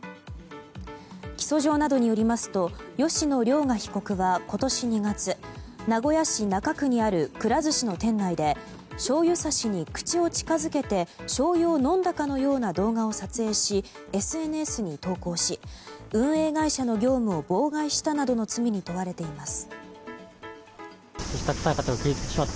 起訴状などによりますと吉野凌雅被告は今年２月名古屋市中区にあるくら寿司の店内でしょうゆさしに口を近づけてしょうゆを飲んだかのような動画を撮影しＳＮＳに投稿し運営会社の業務を妨害したなどの罪に問われています。